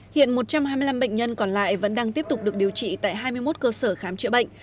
hiện một trăm hai mươi năm bệnh nhân còn lại vẫn đang tiếp tục được điều trị tại hai mươi một cơ sở khám chữa bệnh